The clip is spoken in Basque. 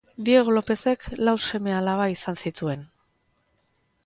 Diego Lopezek lau seme-alaba izan zituen.